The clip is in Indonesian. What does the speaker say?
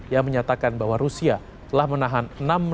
yang menyatakan bahwa rusia telah menahan